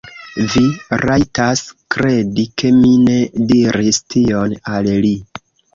Vi rajtas kredi ke mi ne diris tion al li.